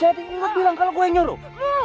jepri kamu bilang kalau aku yang nyuruh